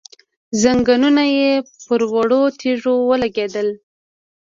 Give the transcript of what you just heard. ځنګنونه يې پر وړو تيږو ولګېدل،